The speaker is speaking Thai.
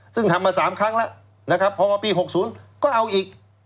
ซึ่งทำมา๓ครั้งแล้วนะครับพอมาปี๖๐ก็เอาอีก